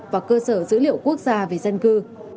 và cơ sở dữ liệu quốc gia về dân cư